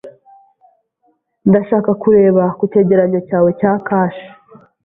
Ndashaka kureba ku cyegeranyo cyawe cya kashe.